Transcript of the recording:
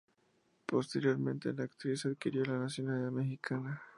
Posteriormente, la actriz adquirió la nacionalidad mexicana.